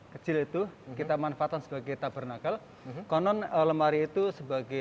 kecil itu kita manfaatkan sebagai taber nakal konon lemari itu sebagai